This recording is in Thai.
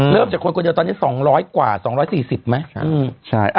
จากคนคนเดียวตอนนี้๒๐๐กว่า๒๔๐ไหม